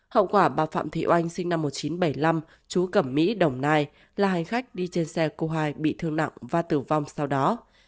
hậu quả bà phạm thị oanh sinh năm một nghìn chín trăm bảy mươi năm chú cẩm mỹ đồng nai là hành khách đi trên xe cô hai bị thương nặng và tử vong sau đó